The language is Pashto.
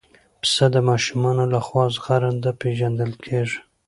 پسه د ماشومانو لخوا زغرده پېژندل کېږي.